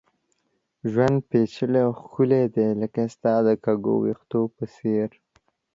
ژوند پېچلی او ښکلی دی ، لکه ستا د کږو ويښتو په څېر